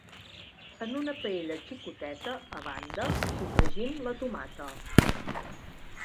En una paella xicoteta, a banda, sofregim la tomata.